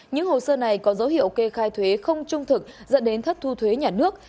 những hồ sơ này có dấu hiệu kê khai thuế không trung thực dẫn đến thất thu thuế nhà nước